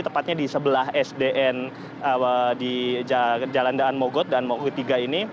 tepatnya di sebelah sdn di jalandaan mogot dan mogot tiga ini